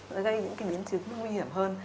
nó gây những cái biến chứng nguy hiểm hơn